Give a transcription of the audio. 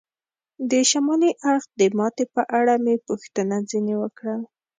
د شمالي اړخ د ماتې په اړه مې پوښتنه ځنې وکړل.